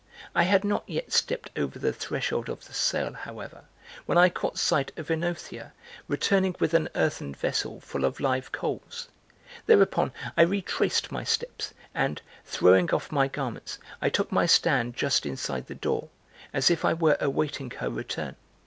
I had not yet stepped over the threshold of the cell, however, when I caught sight of OEnothea returning with an earthen vessel full of live coals. Thereupon I retraced my steps and, throwing off my garments, I took my stand just inside the door, as if I were awaiting her return.